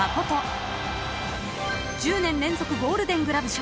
［１０年連続ゴールデングラブ賞。